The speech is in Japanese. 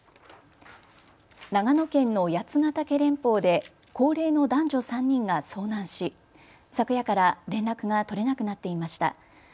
長野県の八ヶ岳連峰で高齢の男女３人が遭難し昨夜から連絡が取れなくなっていました。